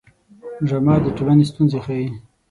ډرامه د ټولنې ستونزې ښيي